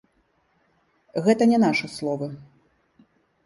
Гэта не нашы словы.